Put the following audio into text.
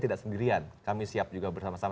tidak sendirian kami siap juga bersama sama